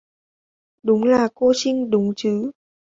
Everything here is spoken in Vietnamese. Đúng rồi cô trinh đúng chứ